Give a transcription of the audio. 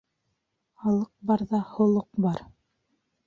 Халыҡ барҙа холоҡ бар